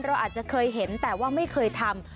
เราอาจจะเคยเห็นแต่ว่าไม่เคยทำ